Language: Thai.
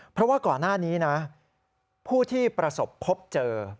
เพราะว่าก่อนหน้านี้นะผู้ที่ประสบพบเจอ